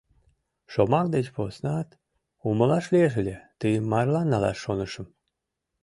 — Шомак деч поснат умылаш лиеш ыле: тыйым марлан налаш шонышым.